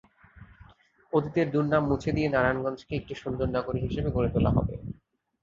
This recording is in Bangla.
অতীতের দুর্নাম মুছে দিয়ে নারায়ণগঞ্জকে একটি সুন্দর নগরী হিসেবে গড়ে তোলা হবে।